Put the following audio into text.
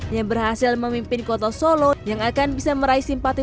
yang berhasil memimpin kota solo yang akan bisa meraih simpati